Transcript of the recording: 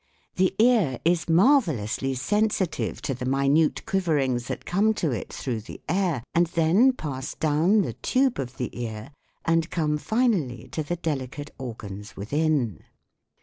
The ear is marvellously sensitive to the minute quiverings that come to it through the air, and then pass down the tube of the ear and come finally to the delicate organs within.